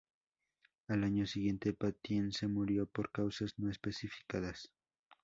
Al año siguiente Patience murió por causas no especificadas.